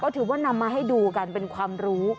ถือว่านำมาให้ดูกันเป็นความรู้